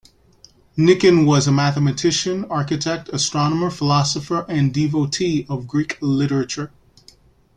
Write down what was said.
Nicon was a mathematician, architect, astronomer, philosopher, and devotee of Greek literature.